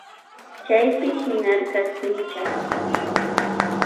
Chaypi shinarka kinchata.